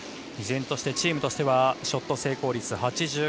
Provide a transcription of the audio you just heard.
依然としてチームとしてはショット成功率８５％。